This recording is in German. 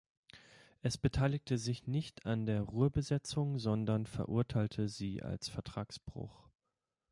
Es beteiligte sich nicht an der Ruhrbesetzung, sondern verurteilte sie als Vertragsbruch.